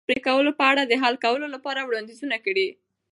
ازادي راډیو د د ځنګلونو پرېکول په اړه د حل کولو لپاره وړاندیزونه کړي.